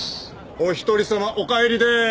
お一人様お帰りでーす。